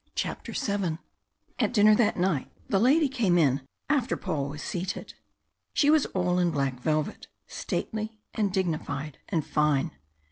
CHAPTER VII At dinner that night the lady came in after Paul was seated. She was all in black velvet, stately and dignified and fine.